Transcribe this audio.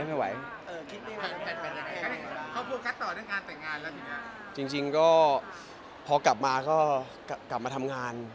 จริงก็พอกลับมาก็กลับมาทำงาน